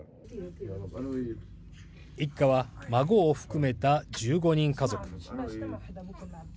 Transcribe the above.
一家は、孫を含めた１５人家族。